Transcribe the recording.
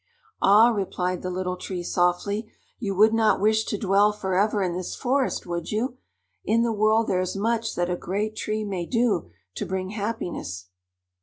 "Ah," replied the Little Tree softly, "you would not wish to dwell forever in this forest, would you? In the world there is much that a great tree may do to bring happiness."